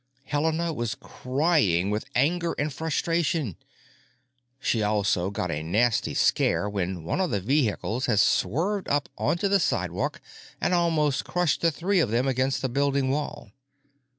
Helena was crying with anger and frustration; she had also got a nasty scare when one of the vehicles had swerved up onto the sidewalk and almost crushed the three of them against the building wall.